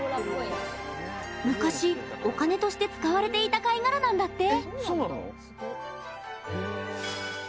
昔、お金として使われていた貝殻なんだって。